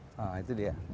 nah itu dia